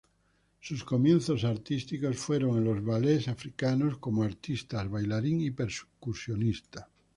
Sus comienzos artísticos fueron en los ballets africanos como artista bailarín y percusionista.